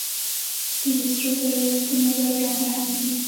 سپي د سرو زرو یا سپینو رنګه هم وي.